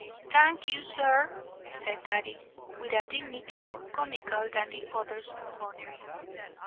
"Thank you, sir," said Daddy, with a dignity more comical than the other's buffoonery.